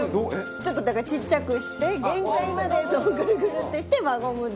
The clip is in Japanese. ちょっとだからちっちゃくして限界までグルグルってして輪ゴムで。